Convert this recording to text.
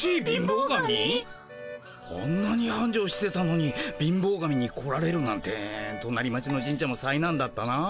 あんなにはんじょうしてたのに貧乏神に来られるなんてとなり町の神社もさいなんだったなあ。